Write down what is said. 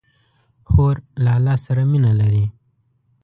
خور له الله سره مینه لري.